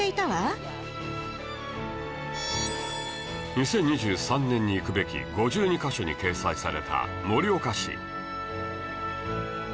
「２０２３年に行くべき５２カ所」に掲載された盛岡市